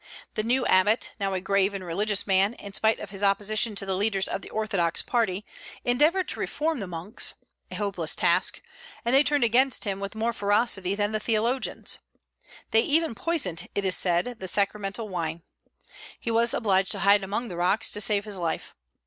The new abbot, now a grave and religious man, in spite of his opposition to the leaders of the orthodox party, endeavored to reform the monks, a hopeless task, and they turned against him with more ferocity than the theologians. They even poisoned, it is said, the sacramental wine. He was obliged to hide among the rocks to save his life.